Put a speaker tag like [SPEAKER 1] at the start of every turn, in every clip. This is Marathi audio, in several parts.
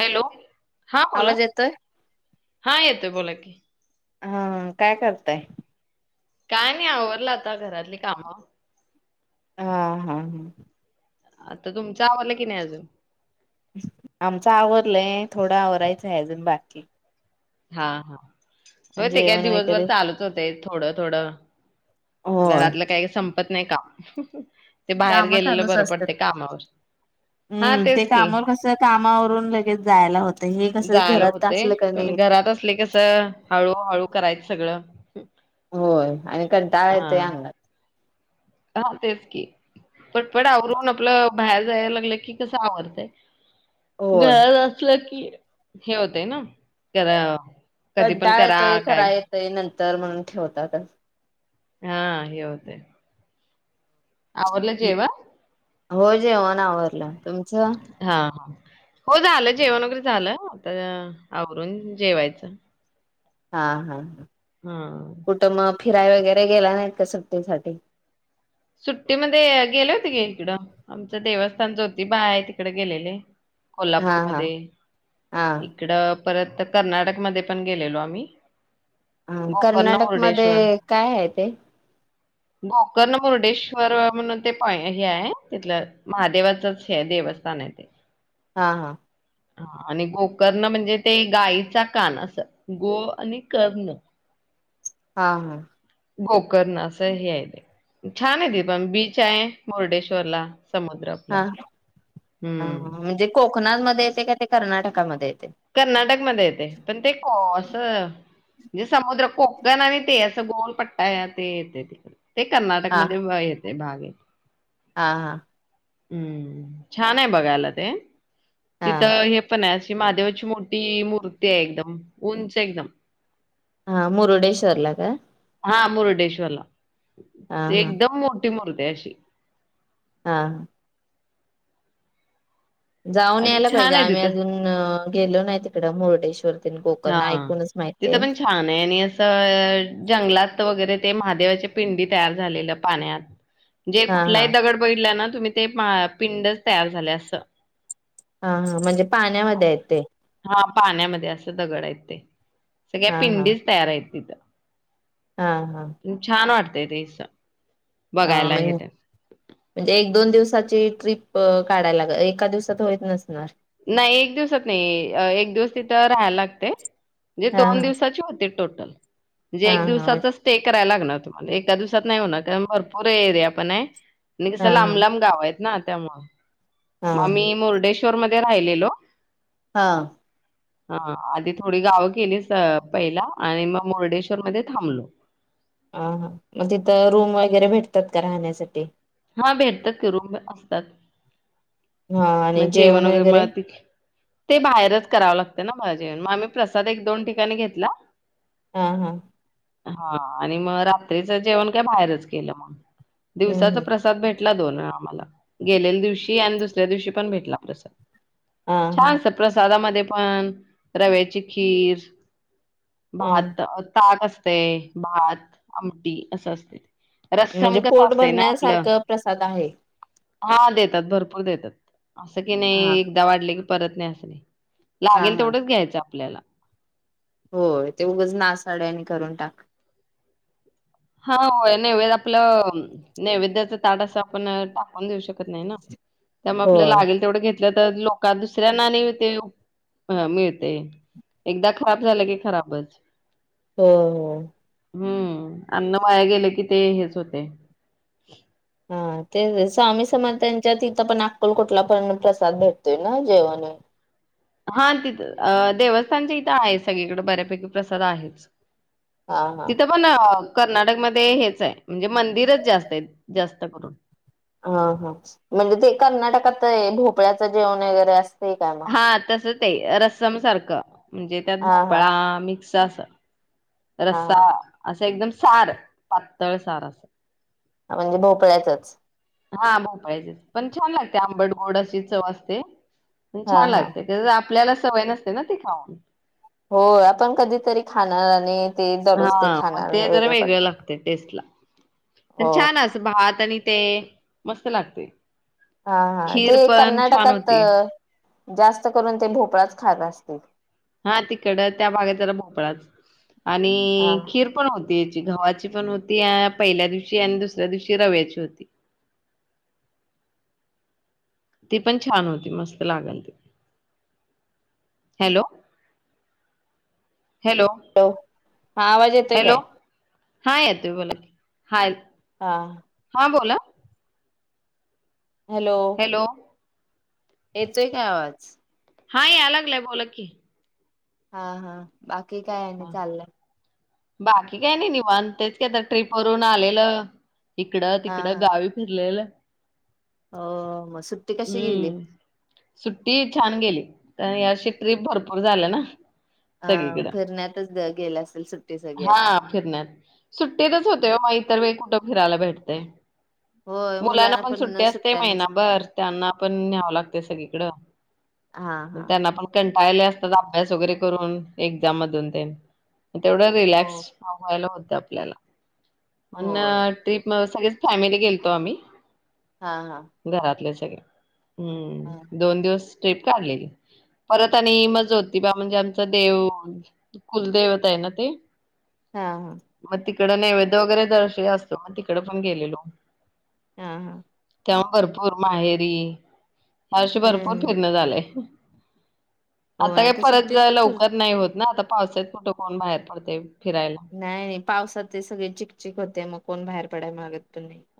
[SPEAKER 1] हॅलो, हा बोला.
[SPEAKER 2] आवाज येतोय?
[SPEAKER 1] हा येतोय बोला की
[SPEAKER 2] हा -काय करताय?
[SPEAKER 1] काय नाही आवरल आता घरातली कामं
[SPEAKER 2] हा, हा, हा
[SPEAKER 1] आता तुमचा आवरल कि नाही आजून?
[SPEAKER 2] आमचं आवरलंय थोडं आवरायचं आहे अजून बाकी
[SPEAKER 1] हा, हा व्हय ते काय
[SPEAKER 2] जेवण
[SPEAKER 1] दिवसभर
[SPEAKER 2] वगैरे
[SPEAKER 1] चालूच होतय थोडं थोडं
[SPEAKER 2] होय.
[SPEAKER 1] घरातलं काही संप पत नाही का?
[SPEAKER 2] काम कालूच असत्यात
[SPEAKER 1] हा
[SPEAKER 2] हम्म ते
[SPEAKER 1] तेच की
[SPEAKER 2] कामावर कस काम आवू कोन लगेच जायला होत.
[SPEAKER 1] जायला होतय पण घरात असले कसं हळूहळू करायच सगळं
[SPEAKER 2] होय आणि कंटाळा येतोय
[SPEAKER 1] हा.
[SPEAKER 2] अंगात
[SPEAKER 1] हा तेच की पटपट आवरून आपलं बाहेर जायला लागलं की कसं आवरतय.
[SPEAKER 2] होय.
[SPEAKER 1] घरात असलं की हे होतेय ना, जरा
[SPEAKER 2] कंटाळा येतोय करा येते नंत तर म्हणून ठेवता पण.
[SPEAKER 1] हा हे होतय. आवरल जेव्ह?
[SPEAKER 2] होय जेवण. आवरलं तुमचं?
[SPEAKER 1] होय झालं जेवण वगैरे झालं आता आवरून जेवायचं.
[SPEAKER 2] हा हा.
[SPEAKER 1] हा.
[SPEAKER 2] कुठं मग फिराय वगैरे गेला नाहीत का सुट्टतीसाठी?
[SPEAKER 1] सुट्टीमध्ये गेले होते गे इकडं आमचं देवस्थान ज्योतिबा आहे तिकड गेलेले.
[SPEAKER 2] हा हा
[SPEAKER 1] कोल्हापूरमध्ये
[SPEAKER 2] हा
[SPEAKER 1] इकडं परत कर्नाटकमध्ये पण गेलेलो आम्ही.
[SPEAKER 2] हा
[SPEAKER 1] गोकर्ण
[SPEAKER 2] कर्नाटक मध्ये
[SPEAKER 1] मुर्डेश्वर
[SPEAKER 2] काय आहे ते?
[SPEAKER 1] गोर्कण मुर्डेश्वर म्हणून ते प हे आहे तिथलं महादेवाचच हे देवस्थान आहे ते.
[SPEAKER 2] हा हा.
[SPEAKER 1] हा आणि गोर्कण म्हणजे ते गाईचा कान असं गो आणि कर्ण
[SPEAKER 2] हा हा.
[SPEAKER 1] गोकर्ण असं हे आहे ते छान आहे ति पबीच आहे मुर्डेश्वरला. समुद्र आपला
[SPEAKER 2] हा हा
[SPEAKER 1] हम्म.
[SPEAKER 2] म्हणजे कोकणातमध्ये ते काय ते? कर्नाटकामध्ये.
[SPEAKER 1] कर्नाटक मध्ये येते पण ते कॉस म्हणजे समुद्र कोकण आणि ते असं गोलपट्टा ते येते तिकडे. ते कर्नाटकमध्ये व्हायत ते भागे
[SPEAKER 2] आ हा.
[SPEAKER 1] हम्म छान आहे बघायला ते.
[SPEAKER 2] हा
[SPEAKER 1] तिथं हे पण हाय. [unintelligible] महादेवाची मोठी मूर्ती आहे एकदम उंच एकदम.
[SPEAKER 2] हा मुरुडेश्वरला का
[SPEAKER 1] हा मुरडेश्वरला
[SPEAKER 2] हा
[SPEAKER 1] ते
[SPEAKER 2] हा
[SPEAKER 1] एकदम मो ठी मुर्ती आहे अशी
[SPEAKER 2] हा जाऊन
[SPEAKER 1] आणि
[SPEAKER 2] यायला
[SPEAKER 1] छान
[SPEAKER 2] पाहिजे,
[SPEAKER 1] आहे
[SPEAKER 2] आम्ही
[SPEAKER 1] तिथं.
[SPEAKER 2] अजून गेलो नाही तिक कड मुरडेेश्वर
[SPEAKER 1] हा तिथं पण छान आहे आणि असं जंगलात वगैरे ते महादेवाच्या पिंडी तयार झालेलं पाण्यात. जे
[SPEAKER 2] हा हा
[SPEAKER 1] कुठल्याही दगड बगीतल्या ना तुम्ही ते पिंडच तयार झालंय असं
[SPEAKER 2] हा हा, म्हणजे पाण्यामध्ये आहेत ते
[SPEAKER 1] हा पाण्यामध्ये अस दगड आहेत ते. सगळ्या
[SPEAKER 2] हा हा
[SPEAKER 1] पिंडीच तयार आहेत तिथं
[SPEAKER 2] हा हा
[SPEAKER 1] त छान वाटत तय रे अस
[SPEAKER 2] हा म्हण म्हणजे एक दोन दिवसाची ट्रीप काढायला ग एका दिवसात होईत नसणार.
[SPEAKER 1] नाही एक दिवसात नाही एक दिवस तिथं राहायला लागतय म्हजे
[SPEAKER 2] हा
[SPEAKER 1] दोन दिवसाची होते टोटल म्हंजे
[SPEAKER 2] हा
[SPEAKER 1] एक
[SPEAKER 2] हा हा
[SPEAKER 1] दिवसाचा स्टे कर कराय लागणार तुम्हाला एका दिवसात नाही होणार कारण भरपूर एरिया पण आहे. आणि कसं लांब
[SPEAKER 2] हा
[SPEAKER 1] लांब गाव आहेत ना. त्या मुळ
[SPEAKER 2] हा
[SPEAKER 1] म
[SPEAKER 2] हा
[SPEAKER 1] मी मुर्डेश कर मन थ राहिलेलो
[SPEAKER 2] हा
[SPEAKER 1] हा आधी थोडी गावं केलीस पहिला आणि मग मुर्डेश्वरमध्ये थांबलो
[SPEAKER 2] ह हा मग तिथं रूम वगैरे भेटतात का राहण्यासाठी?
[SPEAKER 1] हा भेटतात की रूम पण असतात मग जेवण वगैरे मिळतं की बाहेरच करावं ला ना माझ जे मग आम्ही प्रसाद एक दोन ठिकाणी घेतला
[SPEAKER 2] हा हा
[SPEAKER 1] हा आणि मग रात्रीच जेवण काय बाहेरच केलं मग
[SPEAKER 2] हम्म
[SPEAKER 1] दिवसाचा
[SPEAKER 2] हम्म
[SPEAKER 1] प्रसाद भेट आ ग दिवशी दुवशी पण भेटला तसं
[SPEAKER 2] हा हा
[SPEAKER 1] छान अस प्रसादामध्ये पण रव्याची खीर
[SPEAKER 2] हा
[SPEAKER 1] बता कस ते भात आमटी असं असते
[SPEAKER 2] म्हणजे
[SPEAKER 1] रस्सम कस
[SPEAKER 2] पोट
[SPEAKER 1] असतंय ना आपलं
[SPEAKER 2] भरण्यासारखं प्रसाद आहे.
[SPEAKER 1] हा देतात भरपूर देतात असं की
[SPEAKER 2] हा
[SPEAKER 1] नाही एकदा वाढले की परत नाही असणे
[SPEAKER 2] हा
[SPEAKER 1] लागेल
[SPEAKER 2] हा
[SPEAKER 1] तेवढच घ्यायचं आपल्याला
[SPEAKER 2] होय ते उघंच नासाड्यांनी करून टाक
[SPEAKER 1] हा नैवेद आपलं नैवेद्याच ताड अस आपण टाकून देऊ शकतो नाही त्यामुळेग आपल्याला
[SPEAKER 2] होय
[SPEAKER 1] लागेल तेवढे घेत तर लोक दुसऱ्यांना ते मिळते एकदा खराब झालं की खराबच
[SPEAKER 2] हो हो
[SPEAKER 1] हम अम्न वाया गेले की ते हेच होते
[SPEAKER 2] हा ते स्वामी समजच्याथ आ पण अक्कल कोठला पण प्रसाद भेटतोय ना जेवण
[SPEAKER 1] हा तिथं देवस्थानच्या इथं आहे सगळीकडे बऱ्यापैकी प्रसद आहेतच
[SPEAKER 2] हा हा
[SPEAKER 1] तिथं पण कर्नाटकमध्येध्ये हेच आहे म्हणजे मंदिरच जास्त आहे जास्त करून
[SPEAKER 2] हा हा म्हणजे ते कर्नाटकात आहे भोपळ्याचं जेवण वगैरे अस
[SPEAKER 1] हा तसच ते रसम सारखं म्हणजे त्यात
[SPEAKER 2] हा हा
[SPEAKER 1] भोपळा मिक्स जा स
[SPEAKER 2] हा
[SPEAKER 1] रस्सा असं एकदम सार पातळ सार असं
[SPEAKER 2] म्हणजे भोपळ्यातच
[SPEAKER 1] हा भाऊ पचे पण छान लागते आंबट गोड अशी चव असते म्ह
[SPEAKER 2] हा
[SPEAKER 1] छान
[SPEAKER 2] हा
[SPEAKER 1] लागत आपल्याला सवय नसते ना ते खाऊन.
[SPEAKER 2] हो आपण कधीतरी खाणार आणि ते
[SPEAKER 1] हा
[SPEAKER 2] दररोज ते
[SPEAKER 1] मग
[SPEAKER 2] खाणार
[SPEAKER 1] ते जरा
[SPEAKER 2] वेगळं
[SPEAKER 1] वेगळ
[SPEAKER 2] पडत
[SPEAKER 1] लागते टेस्टला पण
[SPEAKER 2] हो
[SPEAKER 1] छान अस भात आणि ते मस्त लागते.
[SPEAKER 2] हा हा ते
[SPEAKER 1] खीर पण छान
[SPEAKER 2] कर्नाटकात
[SPEAKER 1] होती.
[SPEAKER 2] जास्त करून ते भोपळाच खात असतील.
[SPEAKER 1] हा तिकडं त्या भागेत जरा भोपळाच आणि
[SPEAKER 2] हा
[SPEAKER 1] खीर पण होत. पियची गव्हाची पण होती पहिल्या दिवशी आणि दुसऱ्या दिवशी रव्याची होती. ती पण छान होती मस्त लागल ते, हॅलो. हॅलो
[SPEAKER 2] हा आवाज येतोय काय?
[SPEAKER 1] हा येतोय बोला की. हाय
[SPEAKER 2] हा
[SPEAKER 1] हां बोला
[SPEAKER 2] हॅलो येतोय काय आवाज?
[SPEAKER 1] हा याय लागलाय बोला की.
[SPEAKER 2] हा हा. बाकी काय आहे ना
[SPEAKER 1] हां.
[SPEAKER 2] चाललंय.
[SPEAKER 1] बाकी काय नाही निवांत तेच काय तर ट्रिपवरून आलेला. इकडं
[SPEAKER 2] हा
[SPEAKER 1] तिकडं
[SPEAKER 2] हा
[SPEAKER 1] गावी फिरलेलं.
[SPEAKER 2] हो मग सुट्टी कशी गेली?
[SPEAKER 1] हम्म. सुट्टी छान गेली तर या वर्षी ट्रिप भरपूर झालं ना.
[SPEAKER 2] हा
[SPEAKER 1] सगळीकडं.
[SPEAKER 2] भर
[SPEAKER 1] हा फिरण्यात सुट्टीतच होतं इतर वे कुठ फीरायला भेटतेय.
[SPEAKER 2] होय
[SPEAKER 1] मुलांना पण सुट्टी असते
[SPEAKER 2] सुट्ट्या
[SPEAKER 1] महिना
[SPEAKER 2] नसत
[SPEAKER 1] भर त्यांना पण न्यावं लागते सगळी. इकडं
[SPEAKER 2] हा
[SPEAKER 1] मग
[SPEAKER 2] हा
[SPEAKER 1] त्यांना पण कन टायले असतात अभ्यास वगैरे करून एक ज्यामधून तेन तेवढं
[SPEAKER 2] हो
[SPEAKER 1] रिलॅक्स व्हायला होत. तपल्याला
[SPEAKER 2] हो
[SPEAKER 1] म्हणनं ट्रीप म सग फॅमिली गेलतो आम्ही
[SPEAKER 2] हा हा.
[SPEAKER 1] [unintelligible]
[SPEAKER 2] हा
[SPEAKER 1] हम्म दोन दिवस स्ट्रीप काढलेली परत आणि मजा होती बा म्हणजे आमच देव कुलदेवता आहे ना ते.
[SPEAKER 2] हा हा.
[SPEAKER 1] मग तिकडं नैवेद वगैरे तर असत मग तिकड पण गेलेलो.
[SPEAKER 2] हा हा.
[SPEAKER 1] भरपूर माहेरी हर्षी भरपूर
[SPEAKER 2] हम्म
[SPEAKER 1] फिरण झालंय. आता
[SPEAKER 2] होय
[SPEAKER 1] काय परत
[SPEAKER 2] सुट्टीत
[SPEAKER 1] जाय
[SPEAKER 2] तर फिर
[SPEAKER 1] लवकर नाही होत ना आता पावस कुठं कोण बाहेर पडते. फिरायला.
[SPEAKER 2] नाही नाही. पावसात ते सगळे चिकचिक होते मग कोण बाहेर पडाय मगत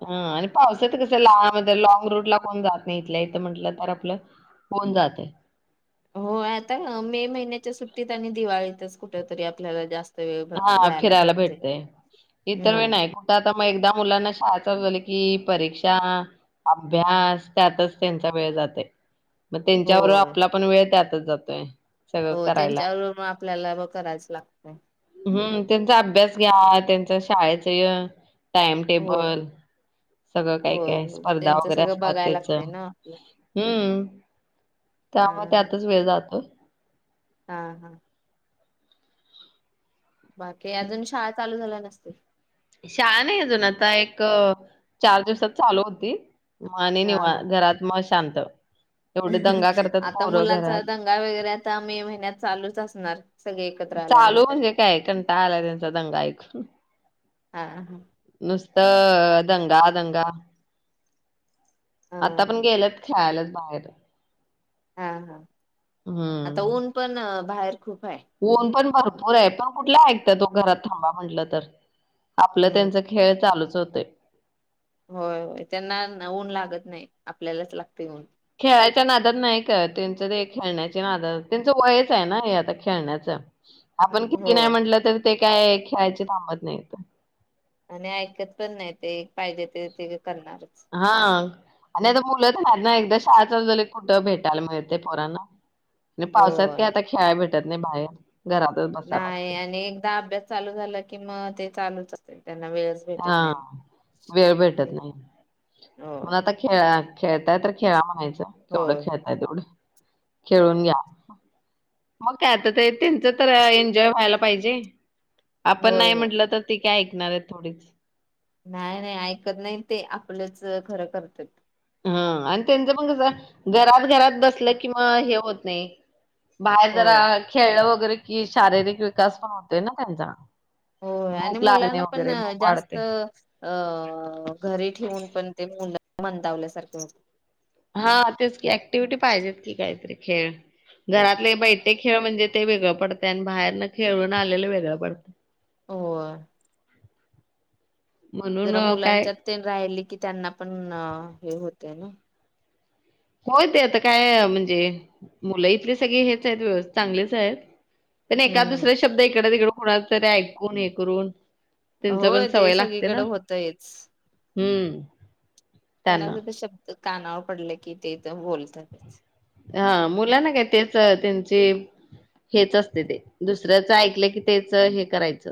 [SPEAKER 1] हा आणि पाऊस आहेेत कस ला म लॉग रूट ला कोण जात नाही इथल्या इथं म्हटलं तर आपलं कोण जात आहे.
[SPEAKER 2] हो आता मे महिन्याच्या सुट्टीत आणि दिवाळीतच कुठ तरी आपल्याला जास्त वेळ भ-
[SPEAKER 1] हा
[SPEAKER 2] जायला
[SPEAKER 1] फिरायला
[SPEAKER 2] भेटते
[SPEAKER 1] भेटतय इतर वेळ
[SPEAKER 2] हम्म
[SPEAKER 1] नाही कुठं आता मग एकदा मुलांना शाळाच झालं की परीक्षा अभ्यास त्यातच त्यांचा वेळ जाते. मग त्यांच्यावर
[SPEAKER 2] होय
[SPEAKER 1] आपला पण वेळ त्यात जात आहे.
[SPEAKER 2] हो त्यांच्यावर आपल्याला करायच लागतय.
[SPEAKER 1] हम्म त्यांचा अभ्यास घ्या त्यांच शाळेच टाइम
[SPEAKER 2] हो
[SPEAKER 1] टेबल सगळं काय
[SPEAKER 2] होय
[SPEAKER 1] काय
[SPEAKER 2] हो
[SPEAKER 1] स्पर्धा
[SPEAKER 2] त्यांच
[SPEAKER 1] वगैरे
[SPEAKER 2] सगळं
[SPEAKER 1] असतात
[SPEAKER 2] बघायला
[SPEAKER 1] त्याच ह्
[SPEAKER 2] लागतय ना आपलं
[SPEAKER 1] हम्म.
[SPEAKER 2] हा
[SPEAKER 1] त्यामुळे
[SPEAKER 2] हा
[SPEAKER 1] त्यातच वेळ जातो.
[SPEAKER 2] हा हा. बाकी अजून शाळा चालू झाल्या नसतील.
[SPEAKER 1] शाळा नाही अजून आता एक चार दिवसात चालू होती. माणे
[SPEAKER 2] हा हा
[SPEAKER 1] नाही घरात मस् शांत. एवढे दंगा करतात
[SPEAKER 2] आता
[SPEAKER 1] पोरं
[SPEAKER 2] मुलांचा
[SPEAKER 1] घरात.
[SPEAKER 2] दंगाल वगैरे आता मे महिन्यात चालूच असणार सगळे एकत्र
[SPEAKER 1] चालू
[SPEAKER 2] आल्यानंतर
[SPEAKER 1] म्हणजे काय कंटाळा आलाय त्यांचा दंगा ऐकून.
[SPEAKER 2] हां हां हां.
[SPEAKER 1] नुसतं दंगा दंगा.
[SPEAKER 2] हा
[SPEAKER 1] आता पण गेल खळालाच बाहेर
[SPEAKER 2] हा हा आता
[SPEAKER 1] हम्म.
[SPEAKER 2] ऊन पण बाहेर खूप आहे
[SPEAKER 1] भपूर आहे पण कुठला ऐकतय तो घरात थांबा म्हंटलं तर आपलं
[SPEAKER 2] हम्म.
[SPEAKER 1] त्यांचा खेळ चालूच पचते
[SPEAKER 2] होय हो त्यांना ऊन लागत नाही आपल्यालाच लागते ऊन
[SPEAKER 1] खेळायच्या नादत नाही का त्यांचं ते खेळण्याची नादत त्यांचं वयच आहे ना हे आता खेळण्याचं आपण
[SPEAKER 2] हो.
[SPEAKER 1] किती नाही म्हटलं तर ते काय खेळायचे थांबत नाही
[SPEAKER 2] आणि ऐकत पण नाही ते पाहिजे ते करणारच
[SPEAKER 1] हा. आणि आता मुलंच आहेत ना एकदा शाळा चाल झा कुठं भेटायला मिळते पोरांना आणि पावसात काय
[SPEAKER 2] होय.
[SPEAKER 1] आता खेळा बेठा ात नाही बाहेर घरातच बसावं
[SPEAKER 2] नाही
[SPEAKER 1] लागतंय.
[SPEAKER 2] आणि एकदा अभ्यास चालू झाला कि मग ते चालूच असते त्यांना वेळच
[SPEAKER 1] हा
[SPEAKER 2] भेटत नाही.
[SPEAKER 1] वेळ भेटत
[SPEAKER 2] हम्म.
[SPEAKER 1] नाही
[SPEAKER 2] होय
[SPEAKER 1] मग आता खेळ खेळताय तर खेळावा मायच केवढं
[SPEAKER 2] होय
[SPEAKER 1] खेळताय तेवढं खेळून घ्या मग आता त्यांच तर एन्जॉय व्हायला पाहिजे आपण
[SPEAKER 2] होय
[SPEAKER 1] नाही
[SPEAKER 2] होय
[SPEAKER 1] म्हटलं तर त काय ऐकणार आहे थोडीच
[SPEAKER 2] नाही नाही ऐकत नाही ते आपलंच खरं करतात
[SPEAKER 1] ह आणि त्यांचं मग कस घरात घरात बसलं किंवा हे होत नाही बाहेर
[SPEAKER 2] हो.
[SPEAKER 1] जरा खेळ वगैरे की शारीरिक विकास पण होते ना त्यांचा
[SPEAKER 2] हो आणि
[SPEAKER 1] भूक लागणे
[SPEAKER 2] मुलांना पण
[SPEAKER 1] वगैरे भूक
[SPEAKER 2] जास्त
[SPEAKER 1] वाढते.
[SPEAKER 2] अ घरी ठेवून पण ते मुला मंदावल्यासारखं
[SPEAKER 1] हा तेच की ऍक्टिव्हटी पाहिजेेत की काहीतरी खेळ घरातले बैठे खेळ म्हणजे ते वेगळं पडत आणि बाहेर न खेळून आलेलं वेगळं पडत
[SPEAKER 2] हो
[SPEAKER 1] म्हणून
[SPEAKER 2] जरा
[SPEAKER 1] अ, काय
[SPEAKER 2] मुलांच्या तेन राहिले किती त्यांना पण हे होतेय ना
[SPEAKER 1] होय ते आता काय म्हणजे मुलं इथले सगळे हेच आहेत व्यवस्थ चांगलेच आहेत प नाही एका
[SPEAKER 2] हम्म
[SPEAKER 1] दुसरे शब्द इकडे तिकड थोड तरी ऐकून हे करून त्यांच पण
[SPEAKER 2] होय ते सगळीकडे होतयच.
[SPEAKER 1] हम
[SPEAKER 2] कोणाचा त शब्द कानावर पडलं की तेथ बोलतातच
[SPEAKER 1] हा मुलाना काय तेच त्यांची हेच असतय ते, दुसऱ्याच ऐकलं की तेच हे करायचं.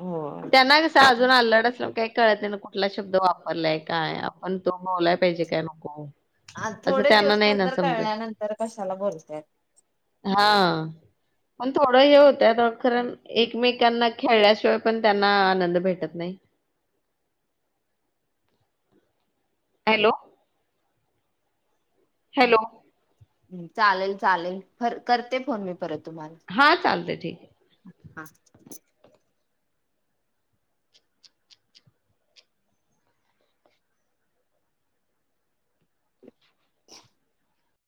[SPEAKER 2] हो.
[SPEAKER 1] त्यांना कस अजून अल्लड अस काही कळते ना कुठला शब्द वापरलाय काय आपण तो बोललाय पाहिजे काय नको
[SPEAKER 2] आ
[SPEAKER 1] असं
[SPEAKER 2] थोडे
[SPEAKER 1] त्यांना
[SPEAKER 2] दिवस
[SPEAKER 1] नाही ना
[SPEAKER 2] नंतर
[SPEAKER 1] समजत
[SPEAKER 2] कळल्यानंतर कशाला बोलत्यात
[SPEAKER 1] हा पण थोडं हे होतय आता खरण एकमेकांना खेळल्याशिवाय पण त्यांना आनंद भेटत नाही हॅलो हॅलो
[SPEAKER 2] हम्म चालेल चालेल फर करते फोन मी परत
[SPEAKER 1] हा चालतय ठीक आहे
[SPEAKER 2] हां [unintelligible]